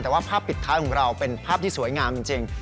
แต่ว่าภาพปิดท้ายของเราเป็นภาพที่สวยงามจริง